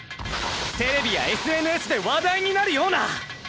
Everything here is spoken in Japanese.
テレビやＳＮＳで話題になるような。